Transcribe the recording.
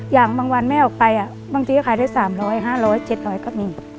อย่างบางวันแม่ออกไปบางทีก็ขายได้๓๐๐๕๐๐๗๐๐ก็มี